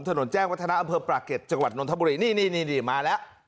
ถนนแจ้งวัฒนาอำเภอปราเก็ตจังหวัดนทบุรีนี่นี่มาแล้ว